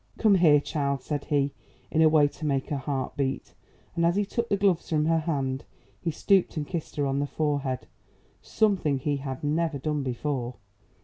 "Come here, child," said he, in a way to make her heart beat; and, as he took the gloves from her hand, he stooped and kissed her on the forehead something he had never done before.